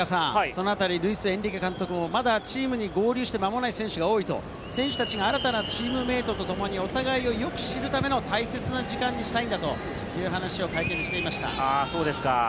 ルイス・エンリケ監督もまだチームに合流して間もない選手が多いと、選手たちが新たなチームメートと共にお互いをよく知るための大切な時間にしたいんだという話を会見でしていました。